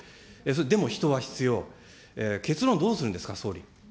でも人は必要、結論どうするんですか、総理。